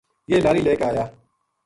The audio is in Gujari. یہ لاری لے کے آیا